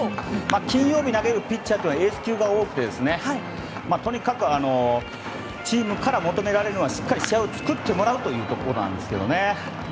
金曜日に投げるピッチャーってエース級が多くてとにかくチームから求められるのはしっかり試合を作ってもらうということなんですよね。